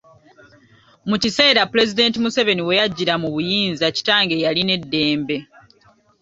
Mu kiseera Pulezidenti Museveni we yajjira mu buyinza kitange yalina eddembe